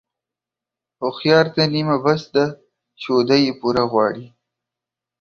هوښيار ته نيمه بس ده ، شوده يې پوره غواړي.